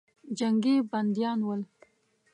جنګي بندیان ول.